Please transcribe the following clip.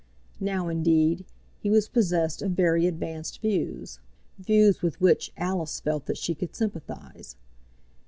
Now, indeed, he was possessed of very advanced views, views with which Alice felt that she could sympathize.